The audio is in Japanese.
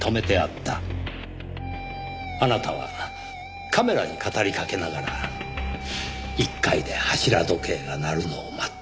あなたはカメラに語りかけながら１階で柱時計が鳴るのを待った。